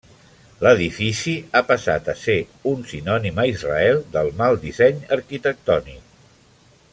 L'edifici ha passat a ser un sinònim a Israel del mal disseny arquitectònic.